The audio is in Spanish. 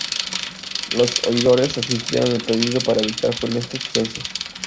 Los oidores insistieron el pedido para evitar "funestos sucesos".